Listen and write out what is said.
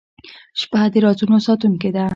• شپه د رازونو ساتونکې ده.